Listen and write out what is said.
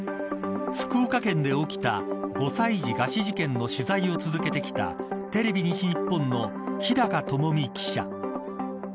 福岡県で起きた５歳児餓死事件の取材を続けてきたテレビ西日本の日高朋美記者。